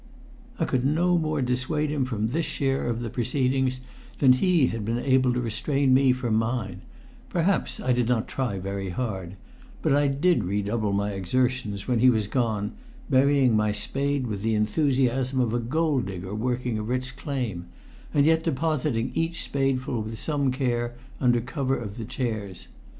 I could no more dissuade him from this share of the proceedings than he had been able to restrain me from mine; perhaps I did not try very hard; but I did redouble my exertions when he was gone, burying my spade with the enthusiasm of a golddigger working a rich claim, and yet depositing each spadeful with some care under cover of the chairs.